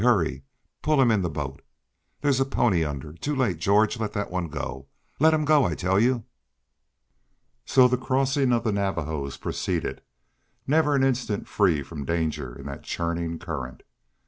Hurry! pull him in the boat There's a pony under Too late, George, let that one go let him go, I tell you!" So the crossing of the Navajos proceeded, never an instant free from danger in that churning current.